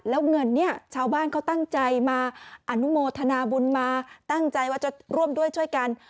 แล้วเงินเนี่ยชาวบ้านเขาตั้งใจมาอนุโมทนาบุญมาตั้งใจว่าจะร่วมด้วยช่วยกัน